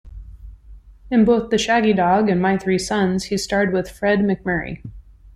In both "The Shaggy Dog" and "My Three Sons", he starred with Fred MacMurray.